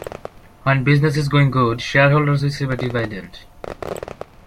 When business is going good shareholders receive a dividend.